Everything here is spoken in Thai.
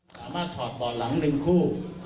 สามารถถอดเบาะหลัง๑คู่